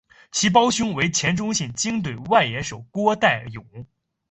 其胞兄为前中信鲸队外野手郭岱咏。